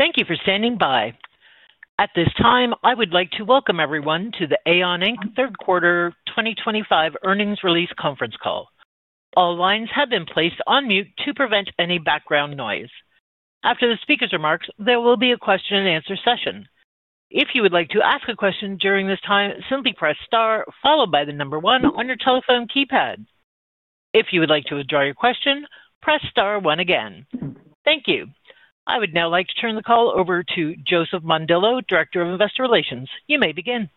Thank you for standing by. At this time, I would like to welcome everyone to the AAON, Inc Third Quarter 2025 Earnings Release Conference Call. All lines have been placed on mute to prevent any background noise. After the speaker's remarks, there will be a question-and-answer session. If you would like to ask a question during this time, simply press star followed by the number one on your telephone keypad. If you would like to withdraw your question, press star one again. Thank you. I would now like to turn the call over to Joseph Mondillo, Director of Investor Relations. You may begin.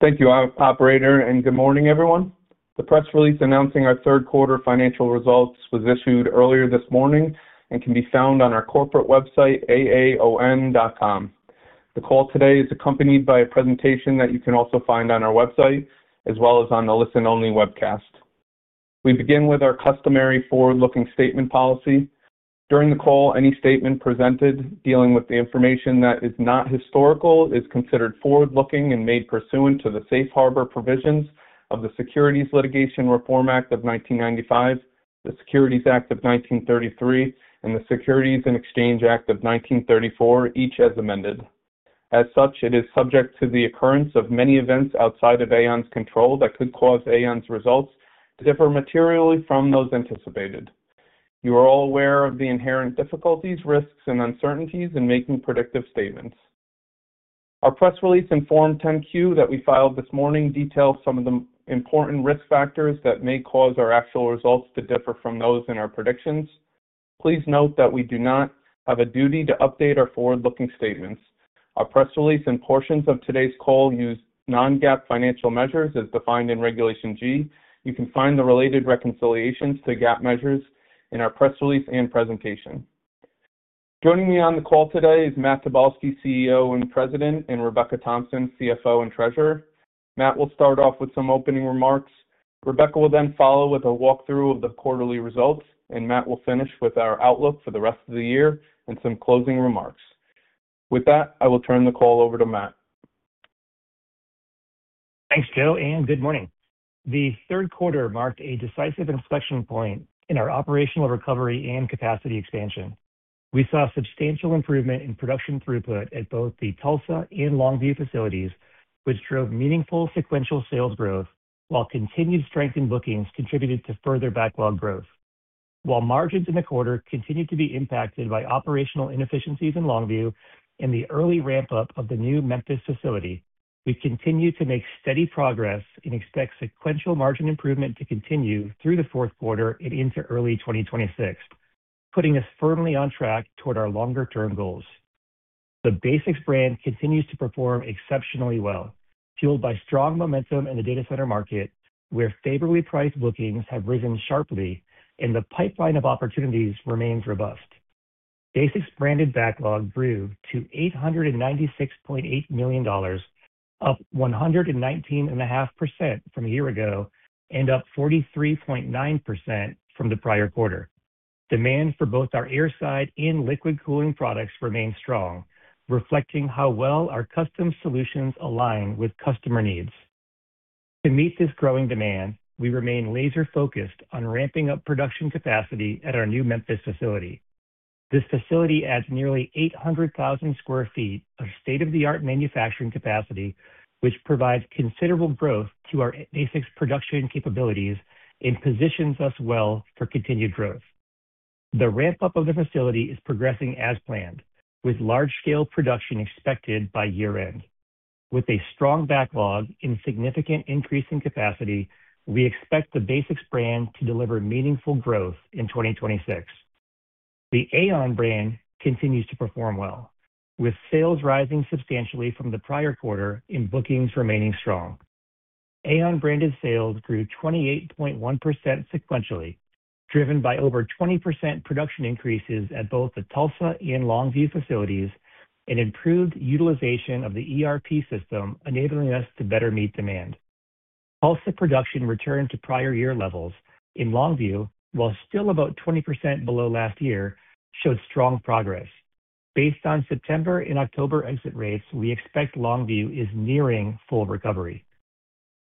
Thank you, operator, and good morning, everyone. The press release announcing our third quarter financial results was issued earlier this morning and can be found on our corporate website, aaon.com. The call today is accompanied by a presentation that you can also find on our website as well as on the listen-only webcast. We begin with our customary forward-looking statement policy. During the call, any statement presented dealing with the information that is not historical is considered forward-looking and made pursuant to the safe harbor provisions of the Securities Litigation Reform Act of 1995, the Securities Act of 1933, and the Securities and Exchange Act of 1934, each as amended. As such, it is subject to the occurrence of many events outside of AAON's control that could cause AAON's results to differ materially from those anticipated. You are all aware of the inherent difficulties, risks, and uncertainties in making predictive statements. Our press release and Form 10-Q that we filed this morning detail some of the important risk factors that may cause our actual results to differ from those in our predictions. Please note that we do not have a duty to update our forward-looking statements. Our press release and portions of today's call use non-GAAP financial measures as defined in Regulation G. You can find the related reconciliations to GAAP measures in our press release and presentation. Joining me on the call today is Matt Tobolski, CEO and President, and Rebecca Thompson, CFO and Treasurer. Matt will start off with some opening remarks. Rebecca will then follow with a walkthrough of the quarterly results, and Matt will finish with our outlook for the rest of the year and some closing remarks. With that, I will turn the call over to Matt. Thanks, Joe, and good morning. The third quarter marked a decisive inflection point in our operational recovery and capacity expansion. We saw substantial improvement in production throughput at both the Tulsa and Longview facilities, which drove meaningful sequential sales growth, while continued strength in bookings contributed to further backlog growth. While margins in the quarter continued to be impacted by operational inefficiencies in Longview and the early ramp-up of the new Memphis facility, we continue to make steady progress and expect sequential margin improvement to continue through the fourth quarter and into early 2026, putting us firmly on track toward our longer-term goals. The BASX brand continues to perform exceptionally well, fueled by strong momentum in the data center market, where favorably priced bookings have risen sharply, and the pipeline of opportunities remains BASX-branded backlog grew to $896.8 million. Up 119.5% from a year ago and up 43.9% from the prior quarter. Demand for both our airside and liquid cooling products remains strong, reflecting how well our custom solutions align with customer needs. To meet this growing demand, we remain laser-focused on ramping up production capacity at our new Memphis facility. This facility adds nearly 800,000 sq ft of state-of-the-art manufacturing capacity, which provides considerable growth to our BASX production capabilities and positions us well for continued growth. The ramp-up of the facility is progressing as planned, with large-scale production expected by year-end. With a strong backlog and significant increase in capacity, we expect the BASX brand to deliver meaningful growth in 2026. The AAON brand continues to perform well, with sales rising substantially from the prior quarter and bookings remaining strong. AAON-branded sales grew 28.1% sequentially, driven by over 20% production increases at both the Tulsa and Longview facilities and improved utilization of the ERP system, enabling us to better meet demand. Tulsa production returned to prior-year levels, and Longview, while still about 20% below last year, showed strong progress. Based on September and October exit rates, we expect Longview is nearing full recovery.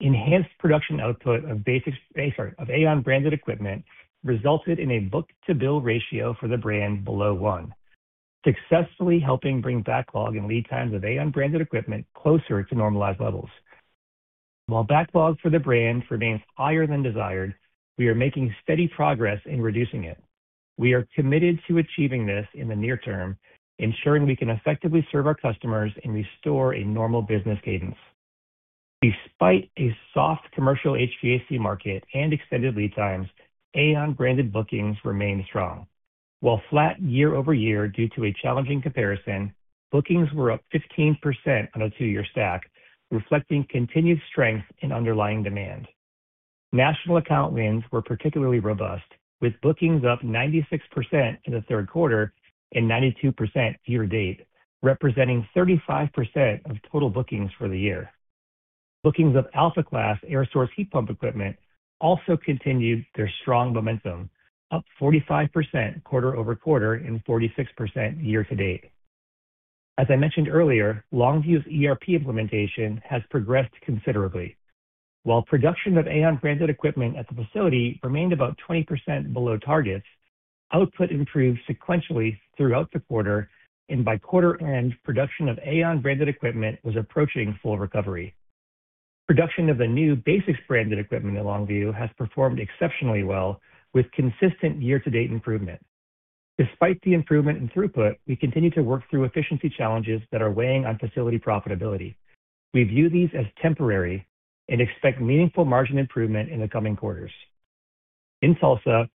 Enhanced production output of AAON-branded equipment resulted in a book-to-bill ratio for the brand below one, successfully helping bring backlog and lead times of AAON-branded equipment closer to normalized levels. While backlog for the brand remains higher than desired, we are making steady progress in reducing it. We are committed to achieving this in the near term, ensuring we can effectively serve our customers and restore a normal business cadence. Despite a soft commercial HVAC market and extended lead times, AAON-branded bookings remained strong. While flat year-over-year due to a challenging comparison, bookings were up 15% on a 2-year stack, reflecting continued strength in underlying demand. National account wins were particularly robust, with bookings up 96% in the third quarter and 92% year-to-date, representing 35% of total bookings for the year. Bookings of Alpha-class air source heat pump equipment also continued their strong momentum, up 45% quarter-over-quarter and 46% year-to-date. As I mentioned earlier, Longview's ERP implementation has progressed considerably. While production of AAON-branded equipment at the facility remained about 20% below targets, output improved sequentially throughout the quarter, and by quarter-end, production of AAON-branded equipment was approaching full recovery. Production of the BASX-branded equipment at Longview has performed exceptionally well, with consistent year-to-date improvement. Despite the improvement in throughput, we continue to work through efficiency challenges that are weighing on facility profitability. We view these as temporary and expect meaningful margin improvement in the coming quarters. In Tulsa,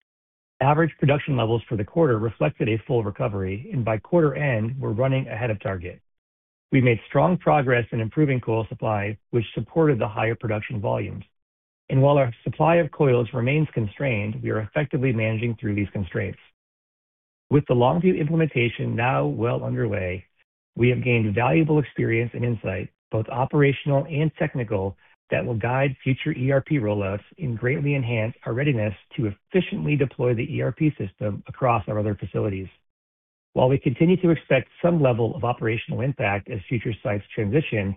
average production levels for the quarter reflected a full recovery, and by quarter-end, we are running ahead of target. We made strong progress in improving coil supply, which supported the higher production volumes. While our supply of coils remains constrained, we are effectively managing through these constraints. With the Longview implementation now well underway, we have gained valuable experience and insight, both operational and technical, that will guide future ERP rollouts and greatly enhance our readiness to efficiently deploy the ERP system across our other facilities. While we continue to expect some level of operational impact as future sites transition,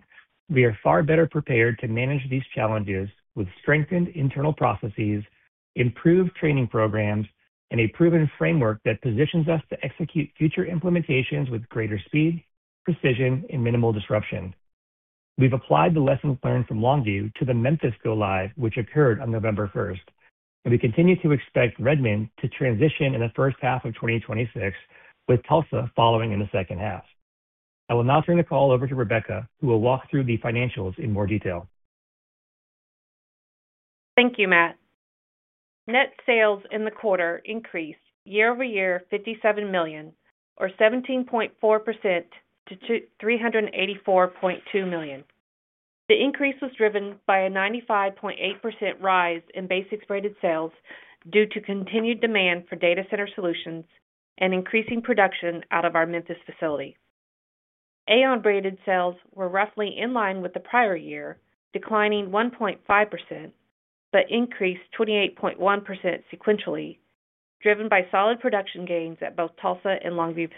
we are far better prepared to manage these challenges with strengthened internal processes, improved training programs, and a proven framework that positions us to execute future implementations with greater speed, precision, and minimal disruption. We've applied the lessons learned from Longview to the Memphis GO Live, which occurred on November 1st, and we continue to expect Redmond to transition in the first half of 2026, with Tulsa following in the second half. I will now turn the call over to Rebecca, who will walk through the financials in more detail. Thank you, Matt. Net sales in the quarter increased year-over-year $57 million, or 17.4%, to $384.2 million. The increase was driven by a 95.8% rise in BASX-branded sales due to continued demand for data center solutions and increasing production out of our Memphis facility. AAON-branded sales were roughly in line with the prior year, declining 1.5%, but increased 28.1% sequentially, driven by solid production gains at both Tulsa and Longview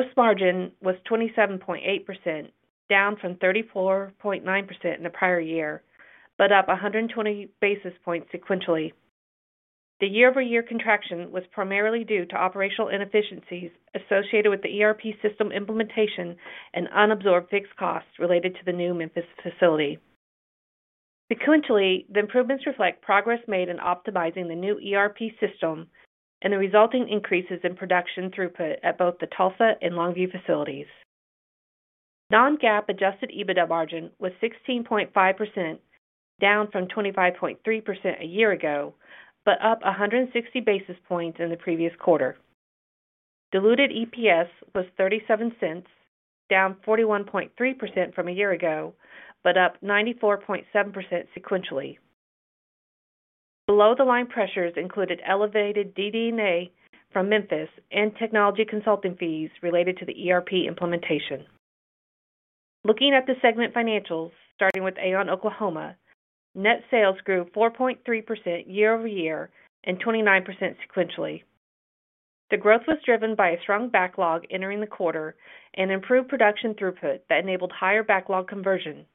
facilities. Gross margin was 27.8%, down from 34.9% in the prior year, but up 120 basis points sequentially. The year-over-year contraction was primarily due to operational inefficiencies associated with the ERP system implementation and unabsorbed fixed costs related to the new Memphis facility. Sequentially, the improvements reflect progress made in optimizing the new ERP system and the resulting increases in production throughput at both the Tulsa and Longview facilities. Non-GAAP adjusted EBITDA margin was 16.5%. Down from 25.3% a year ago, but up 160 basis points in the previous quarter. Diluted EPS was $0.37, down 41.3% from a year ago, but up 94.7% sequentially. Below-the-line pressures included elevated DDNA from Memphis and technology consulting fees related to the ERP implementation. Looking at the segment financials, starting with AAON Oklahoma, net sales grew 4.3% year-over-year and 29% sequentially. The growth was driven by a strong backlog entering the quarter and improved production throughput that enabled higher backlog conversion.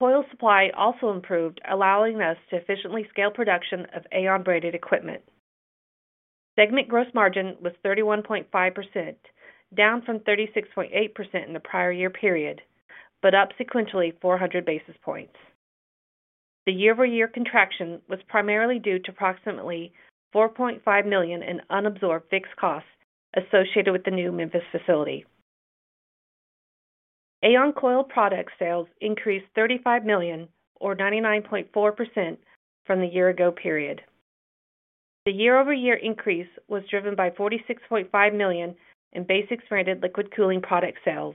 Coil supply also improved, allowing us to efficiently scale production of AAON-branded equipment. Segment gross margin was 31.5%, down from 36.8% in the prior-year period, but up sequentially 400 basis points. The year-over-year contraction was primarily due to approximately $4.5 million in unabsorbed fixed costs associated with the new Memphis facility. AAON coil product sales increased $35 million, or 99.4%, from the year-ago period. The year-over-year increase was driven by $46.5 million in BASX-branded liquid cooling product sales,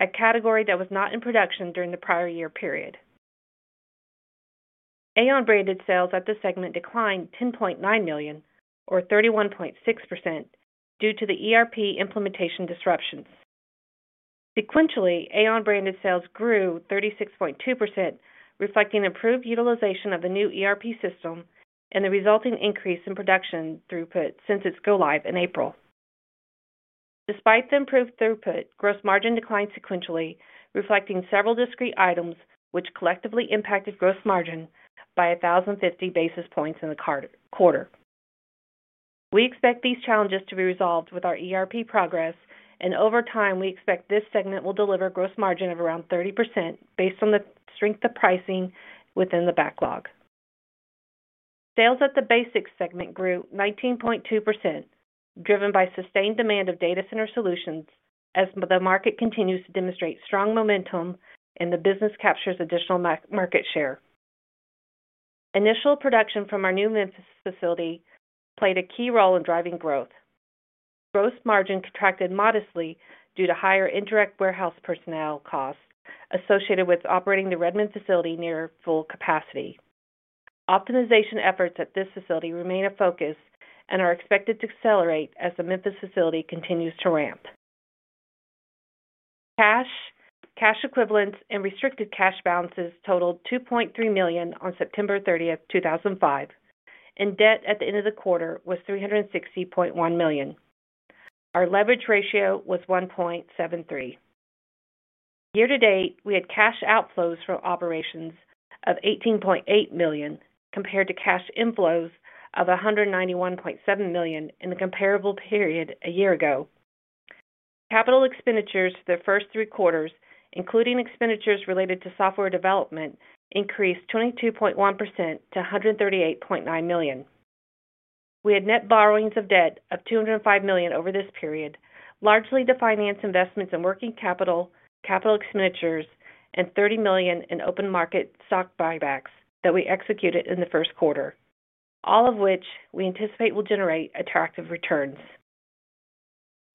a category that was not in production during the prior-year period. AAON-branded sales at this segment declined $10.9 million, or 31.6%, due to the ERP implementation disruptions. Sequentially, AAON-branded sales grew 36.2%, reflecting improved utilization of the new ERP system and the resulting increase in production throughput since its GO Live in April. Despite the improved throughput, gross margin declined sequentially, reflecting several discrete items which collectively impacted gross margin by 1,050 basis points in the quarter. We expect these challenges to be resolved with our ERP progress, and over time, we expect this segment will deliver gross margin of around 30% based on the strength of pricing within the backlog. Sales at the BASX segment grew 19.2%, driven by sustained demand of data center solutions as the market continues to demonstrate strong momentum and the business captures additional market share. Initial production from our new Memphis facility played a key role in driving growth. Gross margin contracted modestly due to higher indirect warehouse personnel costs associated with operating the Redmond facility near full capacity. Optimization efforts at this facility remain a focus and are expected to accelerate as the Memphis facility continues to ramp. Cash, cash equivalents, and restricted cash balances totaled $2.3 million on September 30th, Debt at the end of the quarter was $360.1 million. Our leverage ratio was 1.73. Year-to-date, we had cash outflows from operations of $18.8 million compared to cash inflows of $191.7 million in the comparable period a year ago. Capital expenditures for the first three quarters, including expenditures related to software development, increased 22.1% to $138.9 million. We had net borrowings of debt of $205 million over this period, largely to finance investments in working capital, capital expenditures, and $30 million in open market stock buybacks that we executed in the first quarter, all of which we anticipate will generate attractive returns.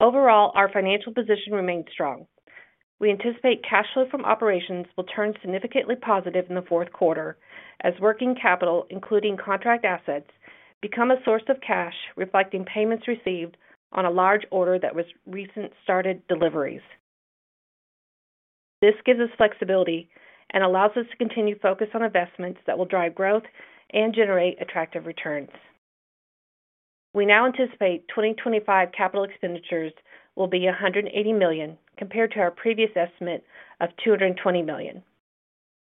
Overall, our financial position remained strong. We anticipate cash flow from operations will turn significantly positive in the fourth quarter as working capital, including contract assets, become a source of cash, reflecting payments received on a large order that was recently started deliveries. This gives us flexibility and allows us to continue focus on investments that will drive growth and generate attractive returns. We now anticipate 2025 capital expenditures will be $180 million compared to our previous estimate of $220 million.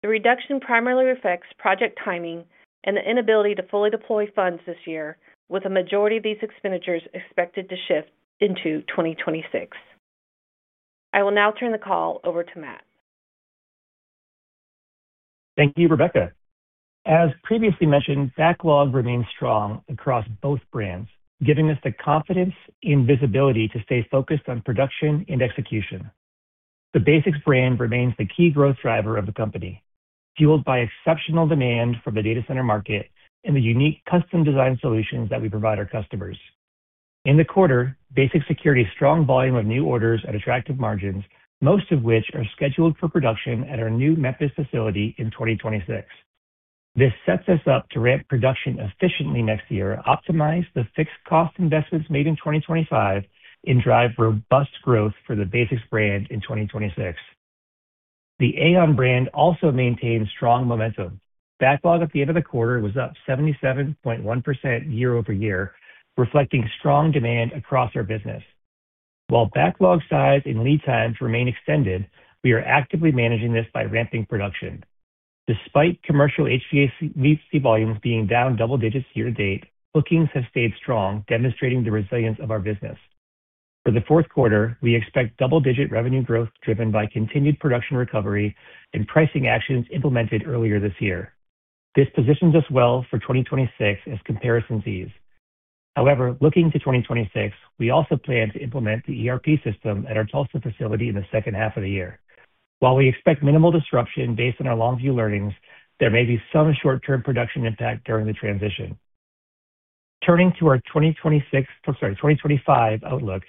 The reduction primarily reflects project timing and the inability to fully deploy funds this year, with a majority of these expenditures expected to shift into 2026. I will now turn the call over to Matt. Thank you, Rebecca. As previously mentioned, backlog remains strong across both brands, giving us the confidence and visibility to stay focused on production and execution. The BASX brand remains the key growth driver of the company, fueled by exceptional demand for the data center market and the unique custom-designed solutions that we provide our customers. In the quarter, BASX secured a strong volume of new orders at attractive margins, most of which are scheduled for production at our new Memphis facility in 2026. This sets us up to ramp production efficiently next year, optimize the fixed cost investments made in 2025, and drive robust growth for the BASX brand in 2026. The AAON brand also maintains strong momentum. Backlog at the end of the quarter was up 77.1% year-over-year, reflecting strong demand across our business. While backlog size and lead times remain extended, we are actively managing this by ramping production. Despite commercial HVAC volumes being down double digits year-to-date, bookings have stayed strong, demonstrating the resilience of our business. For the fourth quarter, we expect double-digit revenue growth driven by continued production recovery and pricing actions implemented earlier this year. This positions us well for 2026 as comparison sees. However, looking to 2026, we also plan to implement the ERP system at our Tulsa facility in the second half of the year. While we expect minimal disruption based on our Longview learnings, there may be some short-term production impact during the transition. Turning to our 2025 outlook,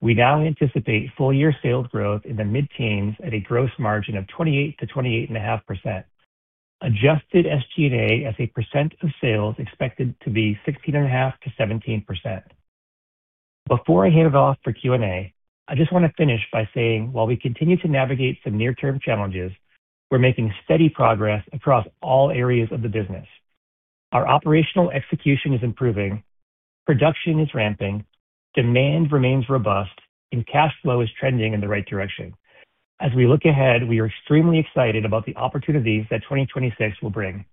we now anticipate full-year sales growth in the mid-teens at a gross margin of 28%-28.5%. Adjusted SG&A as a percent of sales expected to be 16.5%-17%. Before I hand it off for Q&A, I just want to finish by saying, while we continue to navigate some near-term challenges, we're making steady progress across all areas of the business. Our operational execution is improving, production is ramping, demand remains robust, and cash flow is trending in the right direction. As we look ahead, we are extremely excited about the opportunities that 2026 will bring.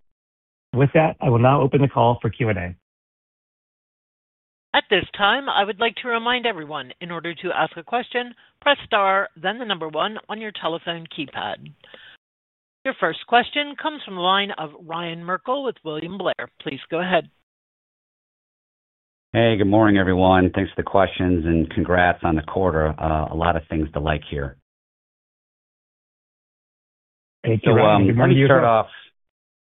With that, I will now open the call for Q&A. At this time, I would like to remind everyone, in order to ask a question, press star, then the number one on your telephone keypad. Your first question comes from the line of Ryan Merkel with William Blair. Please go ahead. Hey, good morning, everyone. Thanks for the questions and congrats on the quarter. A lot of things to like here. Thank you. I want to start off.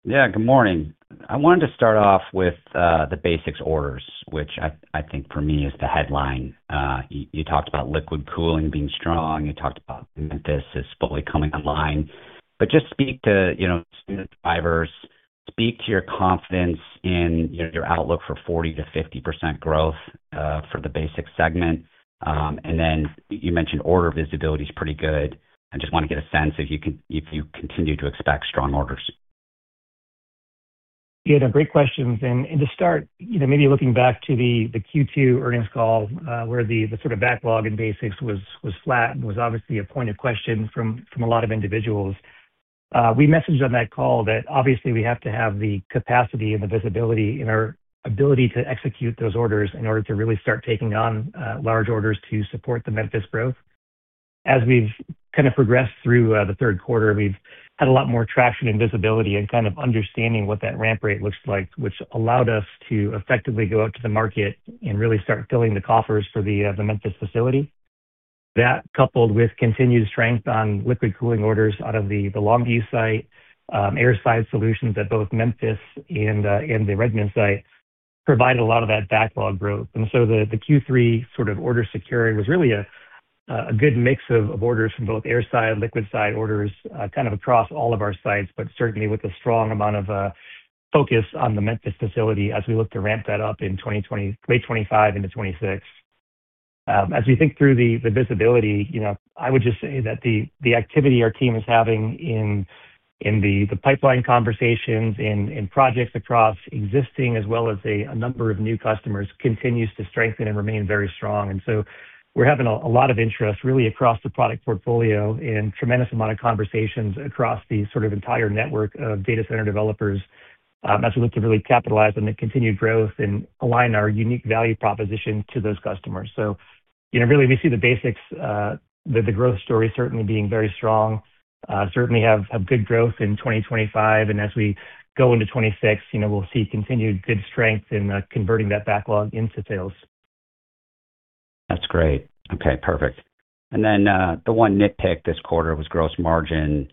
Good morning. Yeah, good morning. I wanted to start off with the BASX orders, which I think, for me, is the headline. You talked about liquid cooling being strong. You talked about Memphis is fully coming online. Just speak to drivers, speak to your confidence in your outlook for 40%-50% growth for the BASX segment. You mentioned order visibility is pretty good. I just want to get a sense if you continue to expect strong orders. Yeah, no, great questions. To start, maybe looking back to the Q2 earnings call where the sort of backlog in BASX was flat and was obviously a point of question from a lot of individuals, we messaged on that call that, obviously, we have to have the capacity and the visibility and our ability to execute those orders in order to really start taking on large orders to support the Memphis growth. As we've kind of progressed through the third quarter, we've had a lot more traction and visibility and kind of understanding what that ramp rate looks like, which allowed us to effectively go out to the market and really start filling the coffers for the Memphis facility. That, coupled with continued strength on liquid cooling orders out of the Longview site, airside solutions at both Memphis and the Redmond site, provided a lot of that backlog growth. The Q3 sort of order security was really a good mix of orders from both airside, liquid-side orders, kind of across all of our sites, but certainly with a strong amount of focus on the Memphis facility as we look to ramp that up in late 2025 into 2026. As we think through the visibility, I would just say that the activity our team is having in the pipeline conversations and projects across existing as well as a number of new customers continues to strengthen and remain very strong. We are having a lot of interest, really, across the product portfolio and tremendous amount of conversations across the sort of entire network of data center developers as we look to really capitalize on the continued growth and align our unique value proposition to those customers. We see the BASX. The growth story certainly being very strong, certainly have good growth in 2025. As we go into 2026, we'll see continued good strength in converting that backlog into sales. That's great. Okay, perfect. The one nitpick this quarter was gross margin.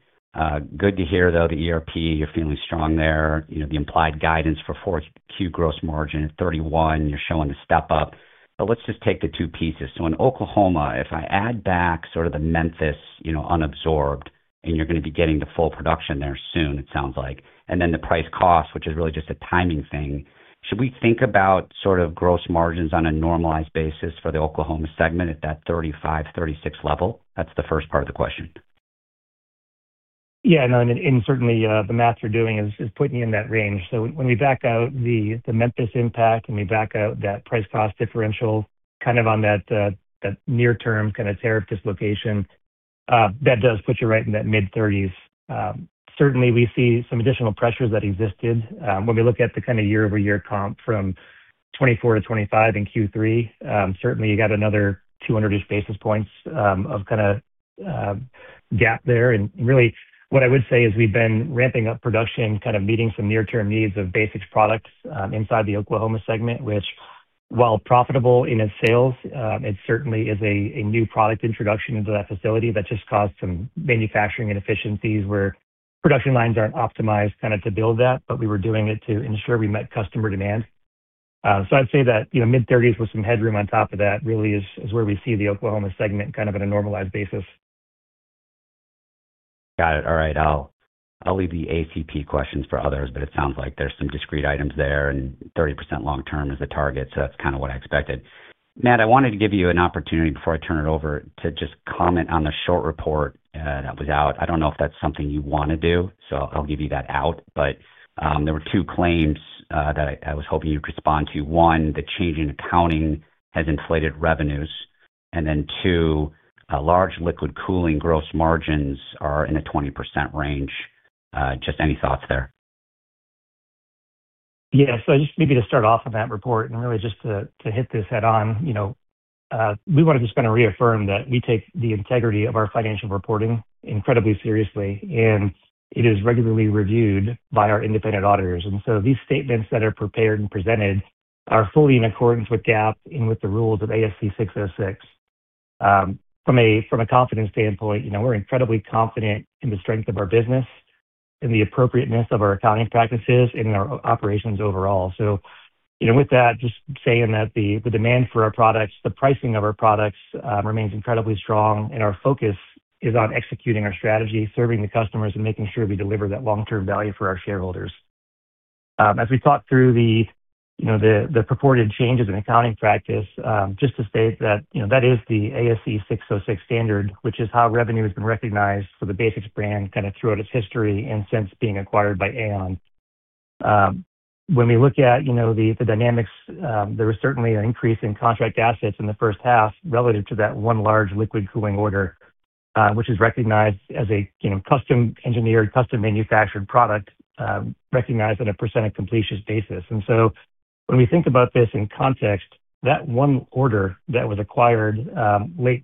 Good to hear, though, the ERP, you're feeling strong there. The implied guidance for fourth quarter gross margin at 31%, you're showing a step up. Let's just take the two pieces. In Oklahoma, if I add back sort of the Memphis unabsorbed and you're going to be getting to full production there soon, it sounds like, and then the price cost, which is really just a timing thing, should we think about sort of gross margins on a normalized basis for the Oklahoma segment at that 35%-36% level? That's the first part of the question. Yeah, no, and certainly the math you're doing is putting you in that range. When we back out the Memphis impact and we back out that price cost differential kind of on that near-term kind of tariff dislocation, that does put you right in that mid-30s. Certainly, we see some additional pressures that existed when we look at the kind of year-over-year comp from 2024 to 2025 in Q3. Certainly, you got another 200-ish basis points of kind of gap there. Really, what I would say is we've been ramping up production, kind of meeting some near-term needs of BASX products inside the Oklahoma segment, which, while profitable in its sales, it certainly is a new product introduction into that facility that just caused some manufacturing inefficiencies where production lines aren't optimized kind of to build that, but we were doing it to ensure we met customer demand. I'd say that mid-30s with some headroom on top of that really is where we see the Oklahoma segment kind of at a normalized basis. Got it. All right. I'll leave the ACP questions for others, but it sounds like there's some discrete items there and 30% long-term is the target. That's kind of what I expected. Matt, I wanted to give you an opportunity before I turn it over to just comment on the short report that was out. I don't know if that's something you want to do, so I'll give you that out. There were two claims that I was hoping you could respond to. One, the change in accounting has inflated revenues. Two, large liquid cooling gross margins are in the 20% range. Just any thoughts there? Yes. Just maybe to start off on that report and really just to hit this head-on. We wanted to just kind of reaffirm that we take the integrity of our financial reporting incredibly seriously, and it is regularly reviewed by our independent auditors. These statements that are prepared and presented are fully in accordance with GAAP and with the rules of ASC 606. From a confidence standpoint, we're incredibly confident in the strength of our business and the appropriateness of our accounting practices and our operations overall. With that, just saying that the demand for our products, the pricing of our products remains incredibly strong, and our focus is on executing our strategy, serving the customers, and making sure we deliver that long-term value for our shareholders. As we talk through the. Purported changes in accounting practice, just to state that that is the ASC 606 standard, which is how revenue has been recognized for the BASX brand kind of throughout its history and since being acquired by AAON. When we look at the dynamics, there was certainly an increase in contract assets in the first half relative to that one large liquid cooling order, which is recognized as a custom-engineered, custom-manufactured product recognized on a percent of completion basis. When we think about this in context, that one order that was acquired late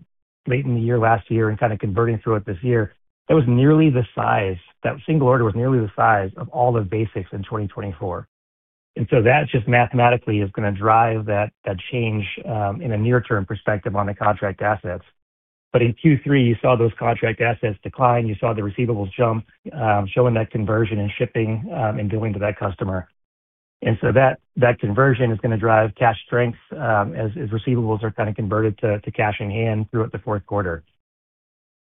in the year last year and kind of converting through it this year, that was nearly the size, that single order was nearly the size of all of BASX in 2024. That just mathematically is going to drive that change in a near-term perspective on the contract assets. In Q3, you saw those contract assets decline. You saw the receivables jump, showing that conversion in shipping and billing to that customer. That conversion is going to drive cash strength as receivables are kind of converted to cash in hand throughout the fourth quarter.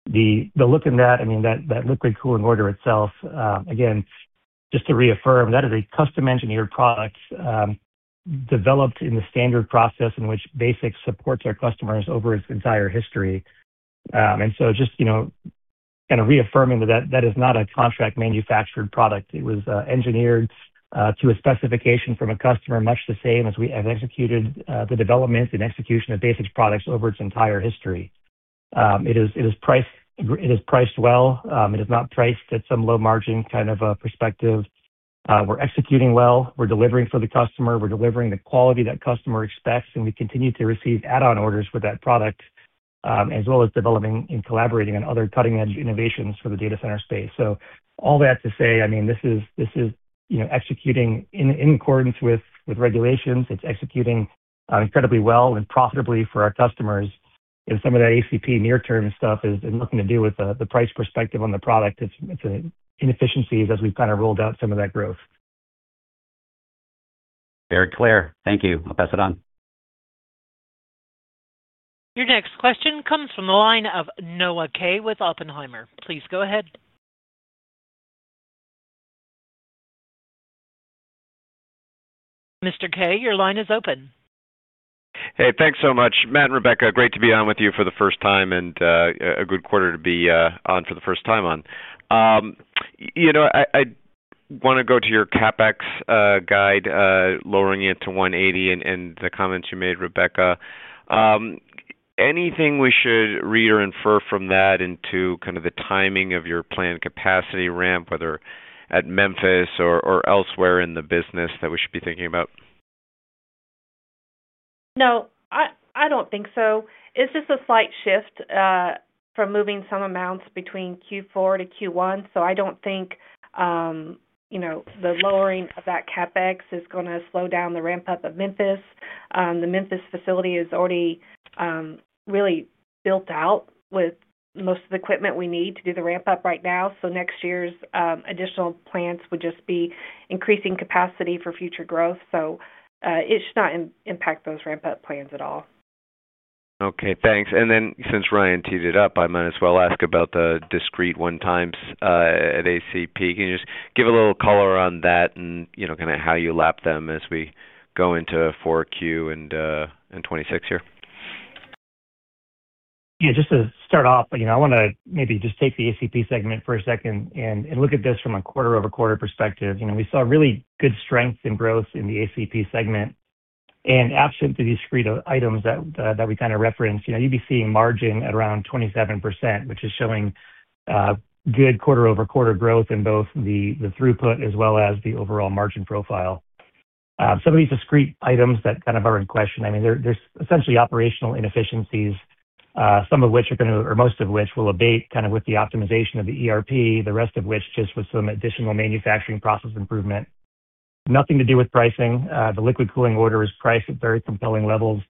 The look in that, I mean, that liquid cooling order itself, again, just to reaffirm, that is a custom-engineered product. Developed in the standard process in which BASX supports our customers over its entire history. Just kind of reaffirming that that is not a contract-manufactured product. It was engineered to a specification from a customer, much the same as we have executed the development and execution of BASX products over its entire history. It is priced well. It is not priced at some low-margin kind of perspective. We're executing well. We're delivering for the customer. We're delivering the quality that customer expects. We continue to receive add-on orders for that product as well as developing and collaborating on other cutting-edge innovations for the data center space. All that to say, I mean, this is executing in accordance with regulations. It's executing incredibly well and profitably for our customers. Some of that ACP near-term stuff is nothing to do with the price perspective on the product. It's inefficiencies as we've kind of rolled out some of that growth. Very clear. Thank you. I'll pass it on. Your next question comes from the line of Noah Kaye with Oppenheimer. Please go ahead. Mr. Kay, your line is open. Hey, thanks so much. Matt and Rebecca, great to be on with you for the first time and a good quarter to be on for the first time on. I want to go to your CapEx guide, lowering it to $180 million and the comments you made, Rebecca. Anything we should read or infer from that into kind of the timing of your planned capacity ramp, whether at Memphis or elsewhere in the business, that we should be thinking about? No, I don't think so. It's just a slight shift from moving some amounts between Q4 to Q1. I don't think the lowering of that CapEx is going to slow down the ramp-up of Memphis. The Memphis facility is already really built out with most of the equipment we need to do the ramp-up right now. Next year's additional plans would just be increasing capacity for future growth. It should not impact those ramp-up plans at all. Okay, thanks. Since Ryan teed it up, I might as well ask about the discrete 1x at ACP. Can you just give a little color on that and kind of how you lap them as we go into Q4 and 2026 here? Yeah, just to start off, I want to maybe just take the ACP segment for a second and look at this from a quarter-over-quarter perspective. We saw really good strength and growth in the ACP segment. And absent the discrete items that we kind of referenced, you'd be seeing margin at around 27%, which is showing good quarter-over-quarter growth in both the throughput as well as the overall margin profile. Some of these discrete items that kind of are in question, I mean, there's essentially operational inefficiencies, some of which are going to, or most of which will abate kind of with the optimization of the ERP, the rest of which just with some additional manufacturing process improvement. Nothing to do with pricing. The liquid cooling order is priced at very compelling levels.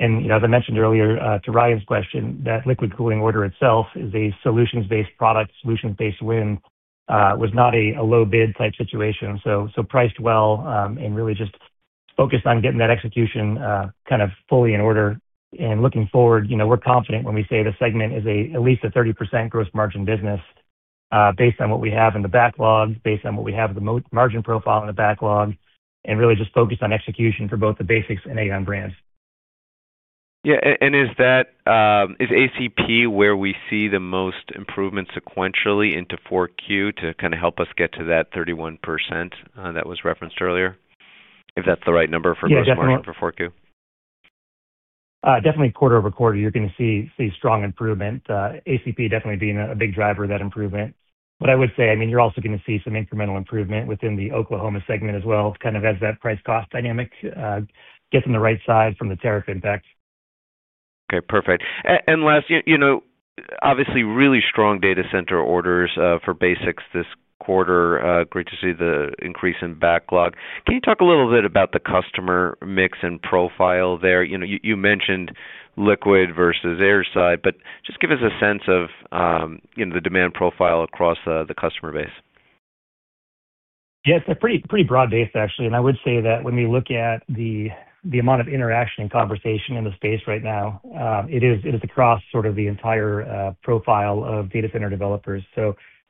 As I mentioned earlier to Ryan's question, that liquid cooling order itself is a solutions-based product, solutions-based win, was not a low-bid type situation. Priced well and really just focused on getting that execution kind of fully in order. Looking forward, we're confident when we say the segment is at least a 30% gross margin business. Based on what we have in the backlog, based on what we have in the margin profile in the backlog, and really just focused on execution for both the BASX and AAON brands. Yeah. Is ACP where we see the most improvement sequentially into fourth quarter to kind of help us get to that 31% that was referenced earlier, if that's the right number for gross margin for fourth quarter? Yeah, definitely. Definitely quarter-over-quarter, you're going to see strong improvement. ACP definitely being a big driver of that improvement. I would say, I mean, you're also going to see some incremental improvement within the Oklahoma segment as well, kind of as that price cost dynamic gets on the right side from the tariff impact. Okay, perfect. Last, obviously, really strong data center orders for BASX this quarter. Great to see the increase in backlog. Can you talk a little bit about the customer mix and profile there? You mentioned liquid versus airside, but just give us a sense of the demand profile across the customer base. Yes, pretty broad based, actually. I would say that when we look at the amount of interaction and conversation in the space right now, it is across sort of the entire profile of data center developers.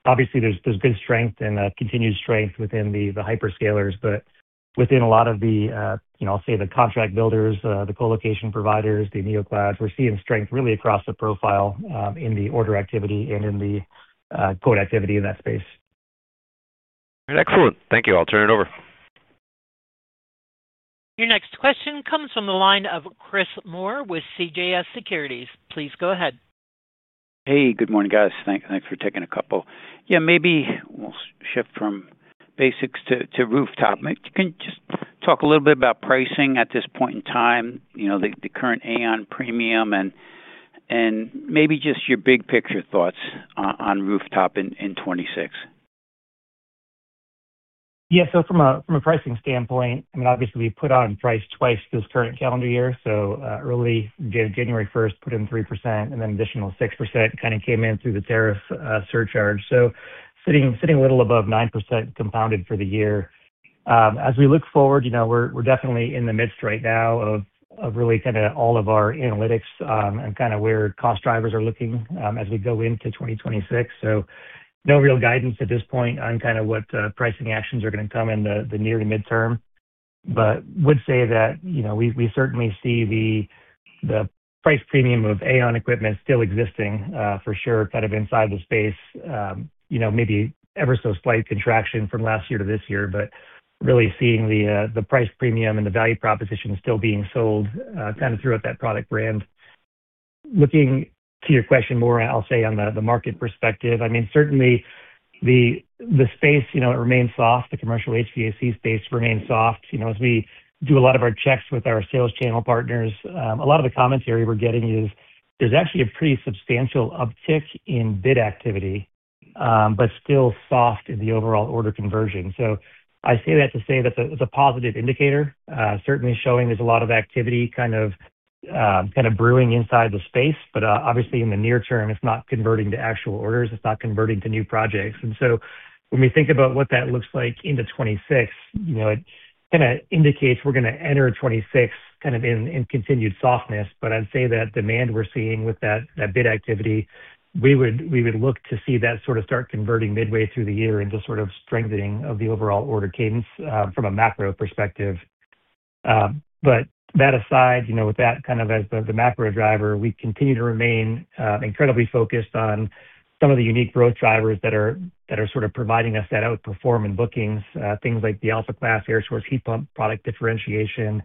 Obviously, there is good strength and continued strength within the hyperscalers, but within a lot of the, I'll say, the contract builders, the colocation providers, the NeoClouds, we are seeing strength really across the profile in the order activity and in the code activity in that space. Excellent. Thank you. I'll turn it over. Your next question comes from the line of Chris Moore with CJS Securities. Please go ahead. Hey, good morning, guys. Thanks for taking a couple. Yeah, maybe we'll shift from BASX to Rooftop. Can you just talk a little bit about pricing at this point in time, the current AAON premium, and maybe just your big picture thoughts on Rooftop in 2026? Yeah. So from a pricing standpoint, I mean, obviously, we put on price twice this current calendar year. Early January 1st, put in 3%, and then additional 6% kind of came in through the tariff surcharge. Sitting a little above 9% compounded for the year. As we look forward, we're definitely in the midst right now of really kind of all of our analytics and kind of where cost drivers are looking as we go into 2026. No real guidance at this point on kind of what pricing actions are going to come in the near to midterm. I would say that we certainly see the price premium of AAON equipment still existing for sure kind of inside the space. Maybe ever so slight contraction from last year to this year, but really seeing the price premium and the value proposition still being sold kind of throughout that product brand. Looking to your question more, I'll say on the market perspective, I mean, certainly the space, it remains soft. The commercial HVAC space remains soft. As we do a lot of our checks with our sales channel partners, a lot of the commentary we're getting is there's actually a pretty substantial uptick in bid activity, but still soft in the overall order conversion. I say that to say that it's a positive indicator, certainly showing there's a lot of activity kind of brewing inside the space, but obviously in the near term, it's not converting to actual orders. It's not converting to new projects. When we think about what that looks like into 2026. It kind of indicates we're going to enter 2026 kind of in continued softness. I'd say that demand we're seeing with that bid activity, we would look to see that sort of start converting midway through the year into sort of strengthening of the overall order cadence from a macro perspective. That aside, with that kind of as the macro driver, we continue to remain incredibly focused on some of the unique growth drivers that are sort of providing us that outperform in bookings, things like the Alpha-class air source heat pump product differentiation,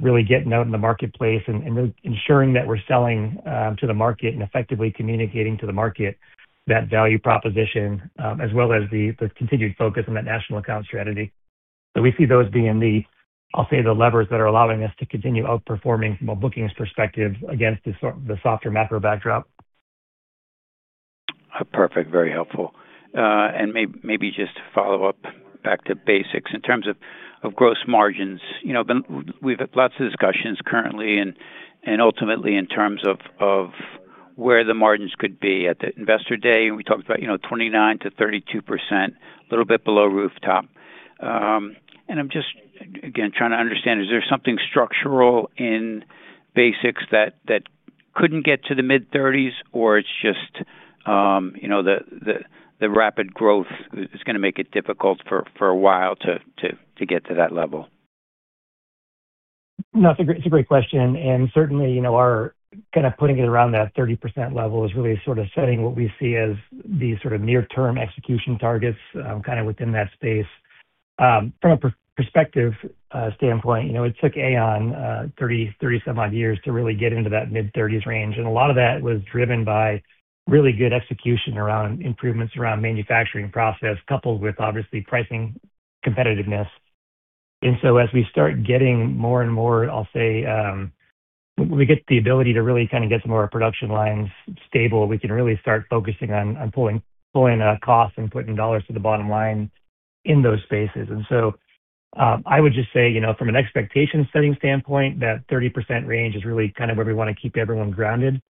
really getting out in the marketplace and ensuring that we're selling to the market and effectively communicating to the market that value proposition as well as the continued focus on that national account strategy. We see those being the, I'll say, the levers that are allowing us to continue outperforming from a bookings perspective against the softer macro backdrop. Perfect. Very helpful. Maybe just to follow up back to BASX. In terms of gross margins, we've had lots of discussions currently and ultimately in terms of where the margins could be at the investor day. We talked about 29%-32%, a little bit below Rooftop. I'm just, again, trying to understand, is there something structural in BASX that couldn't get to the mid-30s, or it's just the rapid growth is going to make it difficult for a while to get to that level? No, it's a great question. Certainly, kind of putting it around that 30% level is really sort of setting what we see as the sort of near-term execution targets kind of within that space. From a perspective standpoint, it took AAON [30] some-odd years to really get into that mid-30% range. A lot of that was driven by really good execution around improvements around manufacturing process, coupled with, obviously, pricing competitiveness. As we start getting more and more, I'll say, when we get the ability to really kind of get some of our production lines stable, we can really start focusing on pulling costs and putting dollars to the bottom line in those spaces. I would just say, from an expectation setting standpoint, that 30% range is really kind of where we want to keep everyone grounded.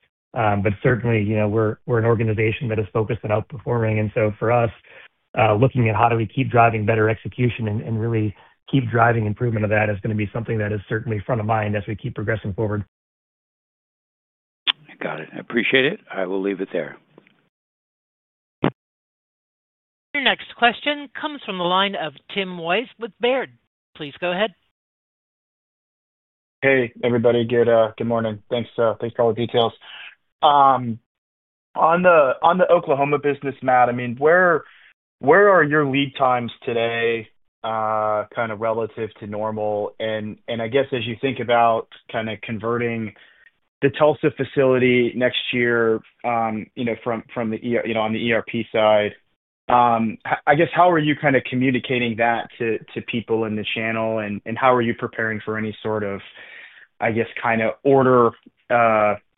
Certainly, we're an organization that is focused on outperforming. For us, looking at how do we keep driving better execution and really keep driving improvement of that is going to be something that is certainly front of mind as we keep progressing forward. Got it. I appreciate it. I will leave it there. Your next question comes from the line of Tim Wojs with Baird. Please go ahead. Hey, everybody. Good morning. Thanks for all the details. On the Oklahoma business, Matt, I mean, where are your lead times today, kind of relative to normal? And I guess as you think about kind of converting the Tulsa facility next year, from the ERP side, I guess how are you kind of communicating that to people in the channel? And how are you preparing for any sort of, I guess, kind of order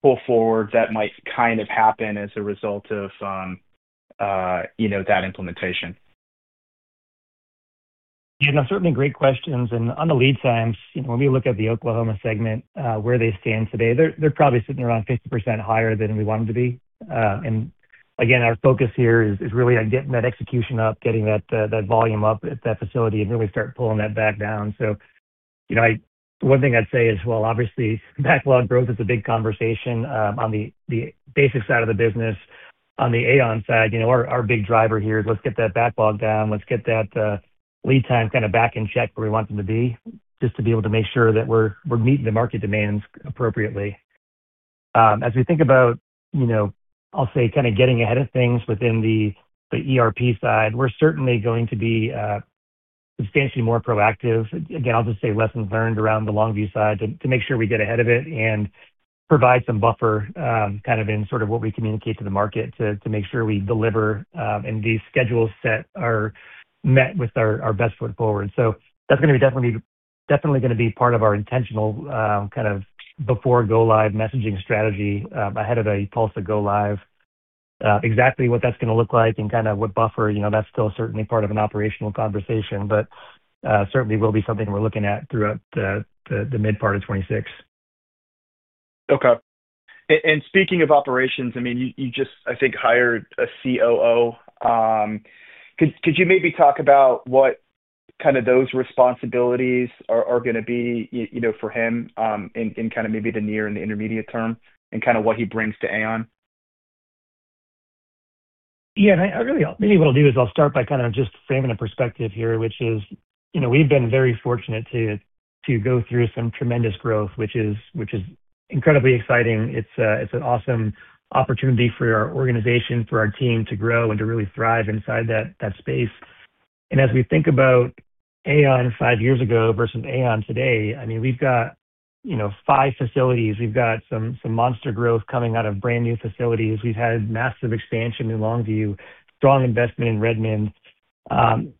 pull forward that might kind of happen as a result of that implementation? Yeah, no, certainly great questions. On the lead times, when we look at the Oklahoma segment, where they stand today, they're probably sitting around 50% higher than we want them to be. Again, our focus here is really on getting that execution up, getting that volume up at that facility, and really start pulling that back down. One thing I'd say is, obviously, backlog growth is a big conversation on the BASX side of the business. On the AAON side, our big driver here is let's get that backlog down. Let's get that lead time kind of back in check where we want them to be, just to be able to make sure that we're meeting the market demands appropriately. As we think about, I'll say, kind of getting ahead of things within the ERP side, we're certainly going to be substantially more proactive. Again, I'll just say lessons learned around the Longview side to make sure we get ahead of it and provide some buffer kind of in sort of what we communicate to the market to make sure we deliver and these schedules that are met with our best foot forward. That is going to definitely be part of our intentional kind of before-go-live messaging strategy ahead of a Tulsa go live. Exactly what that's going to look like and kind of what buffer, that's still certainly part of an operational conversation, but certainly will be something we're looking at throughout the mid part of 2026. Okay. And speaking of operations, I mean, you just, I think, hired a COO. Could you maybe talk about what kind of those responsibilities are going to be for him, in kind of maybe the near and the intermediate term, and kind of what he brings to AAON? Yeah. Maybe what I'll do is I'll start by kind of just framing a perspective here, which is we've been very fortunate to go through some tremendous growth, which is incredibly exciting. It's an awesome opportunity for our organization, for our team to grow and to really thrive inside that space. As we think about AAON 5 years ago versus AAON today, I mean, we've got five facilities. We've got some monster growth coming out of brand new facilities. We've had massive expansion in Longview, strong investment in Redmond, and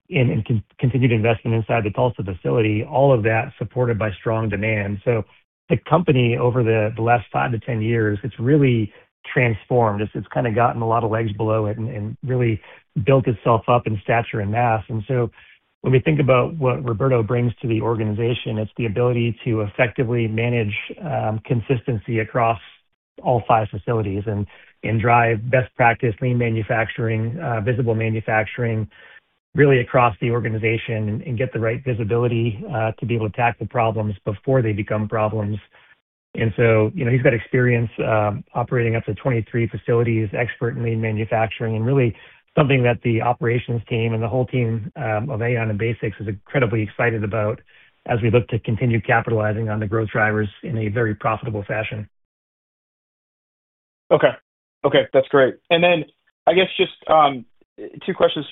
continued investment inside the Tulsa facility, all of that supported by strong demand. The company over the last 5-10 years, it's really transformed. It's kind of gotten a lot of legs below it and really built itself up in stature and mass. When we think about what Roberto brings to the organization, it's the ability to effectively manage consistency across all five facilities and drive best practice, lean manufacturing, visible manufacturing, really across the organization and get the right visibility to be able to tackle problems before they become problems. He's got experience operating up to 23 facilities, expert in lean manufacturing, and really something that the operations team and the whole team of AAON and BASX is incredibly excited about as we look to continue capitalizing on the growth drivers in a very profitable fashion. Okay. Okay. That's great. I guess just two questions.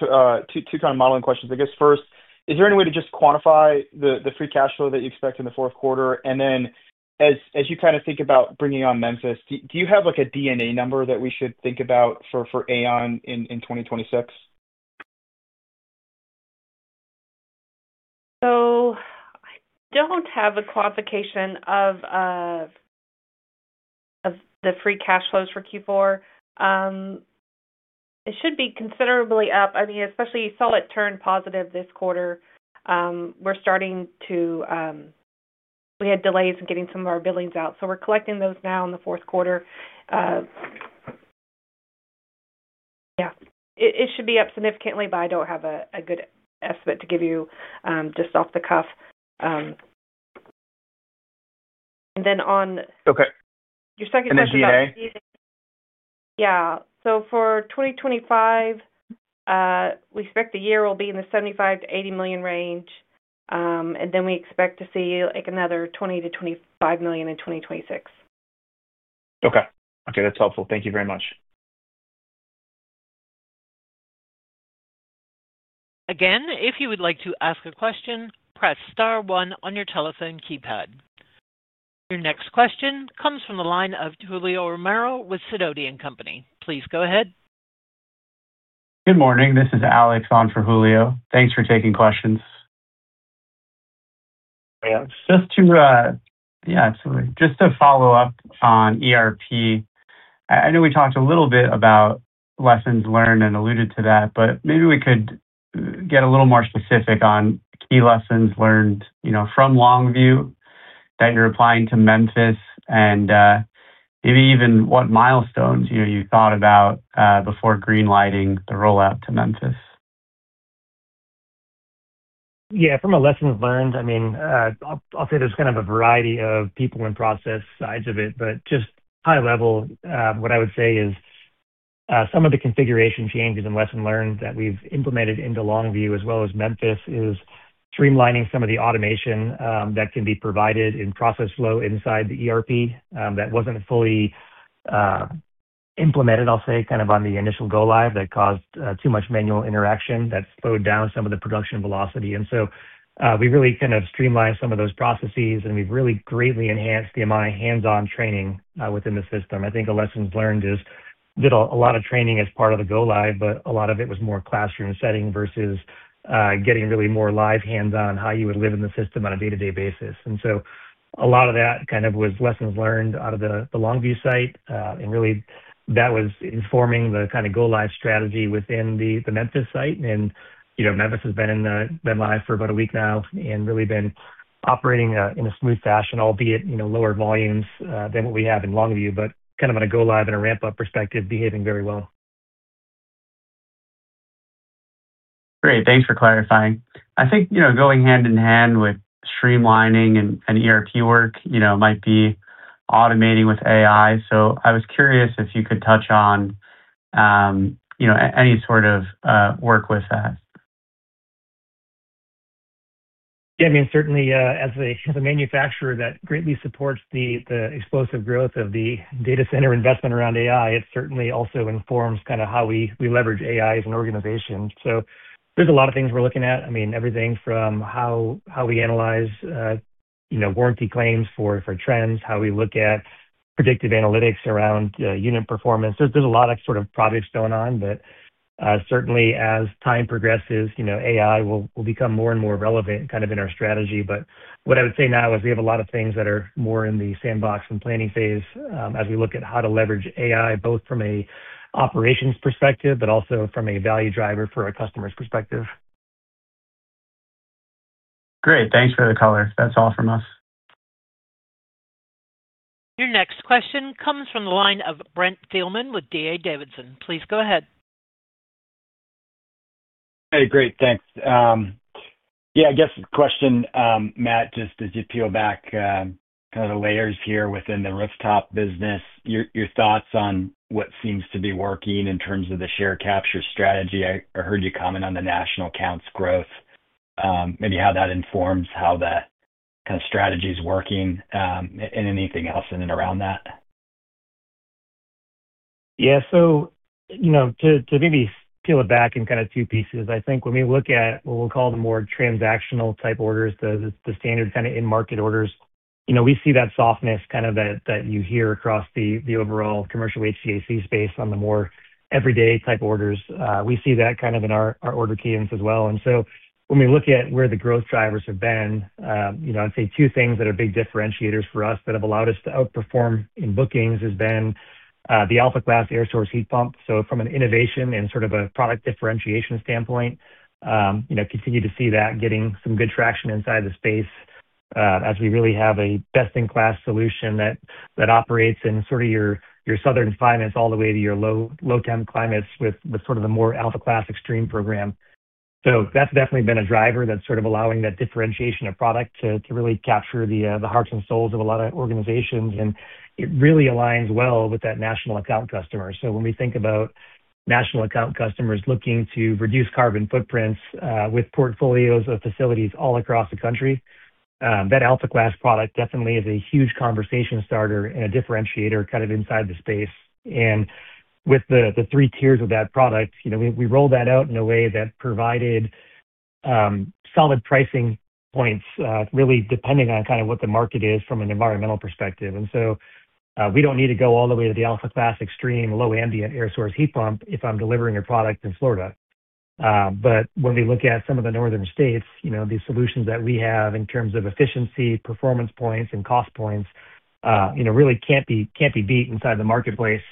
Two kind of modeling questions. I guess first, is there any way to just quantify the free cash flow that you expect in the fourth quarter? As you kind of think about bringing on Memphis, do you have a DNA number that we should think about for AAON in 2026? I don't have a quantification of the free cash flows for Q4. It should be considerably up. I mean, especially you saw it turn positive this quarter. We're starting to, we had delays in getting some of our billings out. So we're collecting those now in the fourth quarter. Yeah, it should be up significantly, but I don't have a good estimate to give you just off the cuff. And then on. Okay. Your second question about. MCA? Yeah. For 2025, we expect the year will be in the $75 million-$80 million range. We expect to see another $20 million-$25 million in 2026. Okay. Okay. That's helpful. Thank you very much. Again, if you would like to ask a question, press star one on your telephone keypad. Your next question comes from the line of Julio Romero with Sidoti & Company. Please go ahead. Good morning. This is Alex on for Julio. Thanks for taking questions. Yeah. Just to, yeah, absolutely. Just to follow up on ERP, I know we talked a little bit about lessons learned and alluded to that, but maybe we could get a little more specific on key lessons learned from Longview that you're applying to Memphis and maybe even what milestones you thought about before greenlighting the rollout to Memphis. Yeah. From a lesson learned, I mean, I'll say there's kind of a variety of people and process sides of it, but just high level, what I would say is, some of the configuration changes and lessons learned that we've implemented into Longview as well as Memphis is streamlining some of the automation that can be provided in process flow inside the ERP that wasn't fully implemented, I'll say, kind of on the initial go-live that caused too much manual interaction that slowed down some of the production velocity. We really kind of streamlined some of those processes, and we've really greatly enhanced the amount of hands-on training within the system. I think a lesson learned is a lot of training as part of the go-live, but a lot of it was more classroom setting versus getting really more live hands-on how you would live in the system on a day-to-day basis. A lot of that kind of was lessons learned out of the Longview site. Really, that was informing the kind of go-live strategy within the Memphis site. Memphis has been live for about a week now and really been operating in a smooth fashion, albeit lower volumes than what we have in Longview, but kind of on a go-live and a ramp-up perspective, behaving very well. Great. Thanks for clarifying. I think going hand in hand with streamlining and ERP work might be automating with AI. I was curious if you could touch on any sort of work with that. Yeah. I mean, certainly, as a manufacturer that greatly supports the explosive growth of the data center investment around AI, it certainly also informs kind of how we leverage AI as an organization. There are a lot of things we're looking at. I mean, everything from how we analyze warranty claims for trends, how we look at predictive analytics around unit performance. There are a lot of sort of projects going on, but certainly, as time progresses, AI will become more and more relevant kind of in our strategy. What I would say now is we have a lot of things that are more in the sandbox and planning phase as we look at how to leverage AI, both from an operations perspective, but also from a value driver for our customers' perspective. Great. Thanks for the color. That's all from us. Your next question comes from the line of Brent Thielman with D.A. Davidson. Please go ahead. Hey, great. Thanks. Yeah, I guess question, Matt, just as you peel back kind of the layers here within the Rooftop business, your thoughts on what seems to be working in terms of the share capture strategy. I heard you comment on the national accounts growth. Maybe how that informs how that kind of strategy is working and anything else in and around that. Yeah. To maybe peel it back in kind of two pieces, I think when we look at what we'll call the more transactional type orders, the standard kind of in-market orders, we see that softness kind of that you hear across the overall commercial HVAC space on the more everyday type orders. We see that kind of in our order cadence as well. When we look at where the growth drivers have been, I'd say two things that are big differentiators for us that have allowed us to outperform in bookings has been the Alpha-class air source heat pump. From an innovation and sort of a product differentiation standpoint, continue to see that getting some good traction inside the space. As we really have a best-in-class solution that operates in sort of your southern climates all the way to your low-temp climates with sort of the more Alpha-class extreme program. That has definitely been a driver that's sort of allowing that differentiation of product to really capture the hearts and souls of a lot of organizations. It really aligns well with that national account customer. When we think about national account customers looking to reduce carbon footprints with portfolios of facilities all across the country, that Alpha-class product definitely is a huge conversation starter and a differentiator kind of inside the space. With the three tiers of that product, we rolled that out in a way that provided solid pricing points, really depending on kind of what the market is from an environmental perspective. We do not need to go all the way to the Alpha-class extreme, low ambient air source heat pump if I am delivering a product in Florida. When we look at some of the northern states, the solutions that we have in terms of efficiency, performance points, and cost points really cannot be beat inside the marketplace.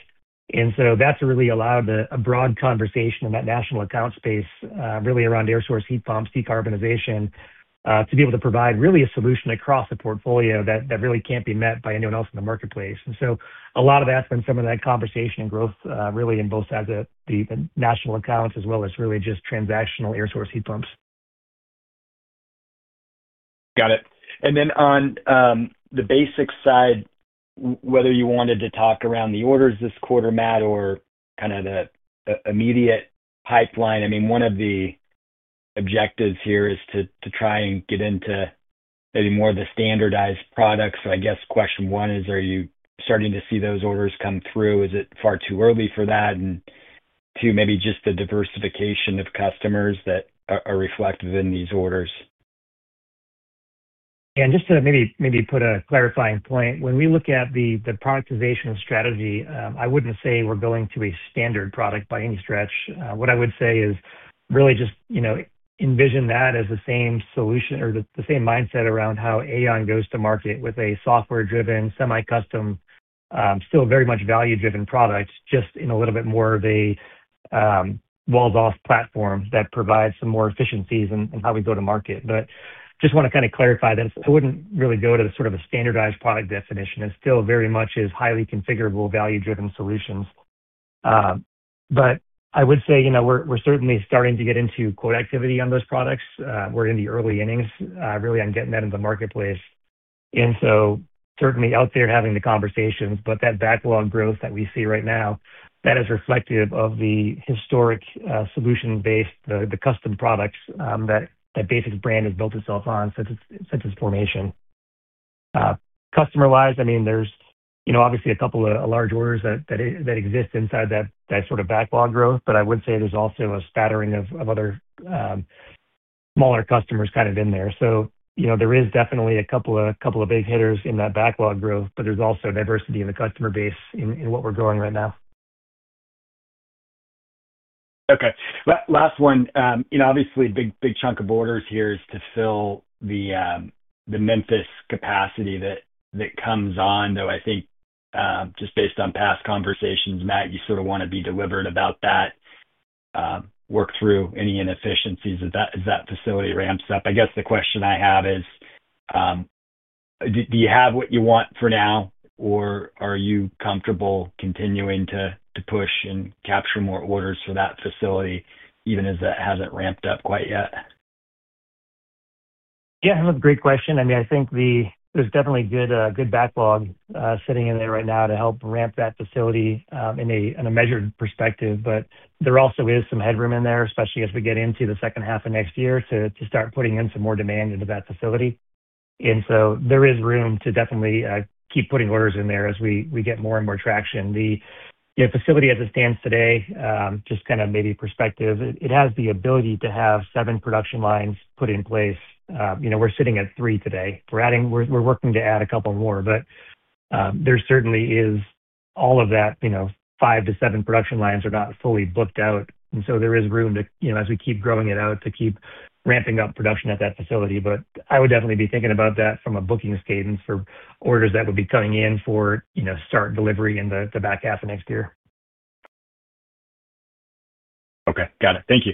That has really allowed a broad conversation in that national account space, really around air source heat pumps, decarbonization, to be able to provide a solution across the portfolio that really cannot be met by anyone else in the marketplace. A lot of that has been some of that conversation and growth in both sides of the national accounts as well as just transactional air source heat pumps. Got it. And then on the BASX side, whether you wanted to talk around the orders this quarter, Matt, or kind of the immediate pipeline, I mean, one of the objectives here is to try and get into maybe more of the standardized products. So I guess question one is, are you starting to see those orders come through? Is it far too early for that? And two, maybe just the diversification of customers that are reflected in these orders. Yeah. And just to maybe put a clarifying point, when we look at the productization strategy, I wouldn't say we're going to a standard product by any stretch. What I would say is really just envision that as the same solution or the same mindset around how AAON goes to market with a software-driven, semi-custom, still very much value-driven product, just in a little bit more of a walls-off platform that provides some more efficiencies in how we go to market. Just want to kind of clarify that I wouldn't really go to sort of a standardized product definition. It still very much is highly configurable, value-driven solutions. I would say we're certainly starting to get into quote activity on those products. We're in the early innings really on getting that into the marketplace. Certainly out there having the conversations, but that backlog growth that we see right now, that is reflective of the historic solution-based, the custom products that BASX brand has built itself on since its formation. Customer-wise, I mean, there's obviously a couple of large orders that exist inside that sort of backlog growth, but I would say there's also a spattering of other, smaller customers kind of in there. There is definitely a couple of big hitters in that backlog growth, but there's also diversity in the customer base in what we're growing right now. Okay. Last one. Obviously, a big chunk of orders here is to fill the Memphis capacity that comes on, though I think just based on past conversations, Matt, you sort of want to be deliberate about that. Work through any inefficiencies as that facility ramps up. I guess the question I have is, do you have what you want for now, or are you comfortable continuing to push and capture more orders for that facility even as it hasn't ramped up quite yet? Yeah. That's a great question. I mean, I think there's definitely good backlog sitting in there right now to help ramp that facility in a measured perspective. There also is some headroom in there, especially as we get into the second half of next year to start putting in some more demand into that facility. There is room to definitely keep putting orders in there as we get more and more traction. The facility as it stands today, just kind of maybe perspective, it has the ability to have seven production lines put in place. We're sitting at three today. We're working to add a couple more. There certainly is all of that. Five to seven production lines are not fully booked out. There is room as we keep growing it out to keep ramping up production at that facility. I would definitely be thinking about that from a booking cadence for orders that would be coming in for start delivery in the back half of next year. Okay. Got it. Thank you.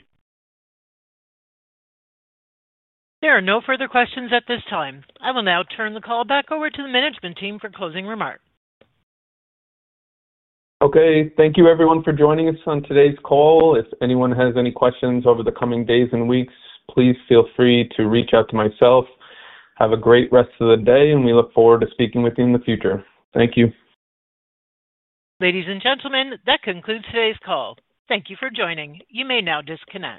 There are no further questions at this time. I will now turn the call back over to the management team for closing remarks. Okay. Thank you, everyone, for joining us on today's call. If anyone has any questions over the coming days and weeks, please feel free to reach out to myself. Have a great rest of the day, and we look forward to speaking with you in the future. Thank you. Ladies and gentlemen, that concludes today's call. Thank you for joining. You may now disconnect.